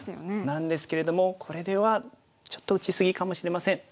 なんですけれどもこれではちょっと打ち過ぎかもしれません。